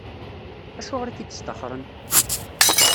Acuɣer i k-id-sṭaxren?